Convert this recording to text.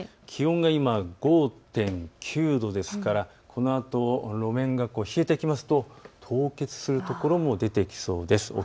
気温が今、５．９度ですから、このあと路面が冷えてきますと凍結する所も出てきそうです。